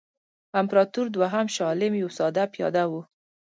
امپراطور دوهم شاه عالم یو ساده پیاده وو.